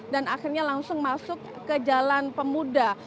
dan akhirnya langsung masuk ke jalan pemuda